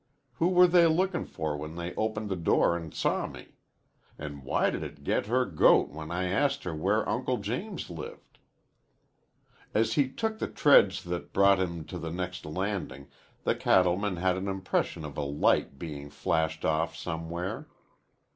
Who were they lookin' for when they opened the door an' saw me? An' why did it get her goat when I asked where Uncle James lived?" As he took the treads that brought him to the next landing the cattleman had an impression of a light being flashed off somewhere.